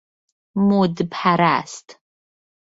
مد پرست